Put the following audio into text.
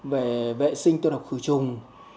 về vệ sinh tiêu độc khử trùng